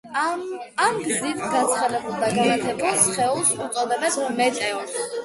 ამ გზით გაცხელებულ და განათებულ სხეულს უწოდებენ მეტეორს.